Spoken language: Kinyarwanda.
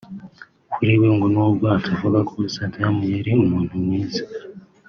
Kuri we ngo n’ubwo atavuga ko Saddam yari umuntu mwiza